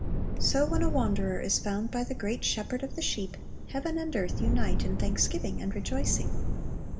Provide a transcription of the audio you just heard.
So when a wanderer is found by the great Shepherd of the sheep, heaven and earth unite in thanksgiving and rejoicing.